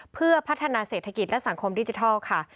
เพื่อพัฒนาเศรษฐกิจและสังคมดิจิทัลค่ะ